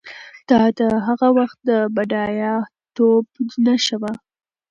دا د هغه وخت د بډایه توب نښه وه.